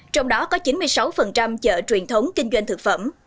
trong đó có chín mươi sáu chợ truyền thống kinh doanh thực phẩm